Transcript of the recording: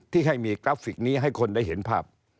ที่ให้มีกราฟิกนี้ให้คนได้เห็นภาพ